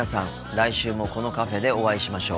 来週もこのカフェでお会いしましょう。